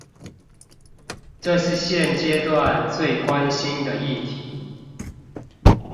這是現階段最關心的議題